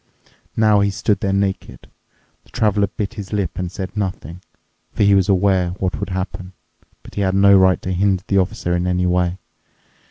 Now he stood there naked. The Traveler bit his lip and said nothing. For he was aware what would happen, but he had no right to hinder the Officer in any way.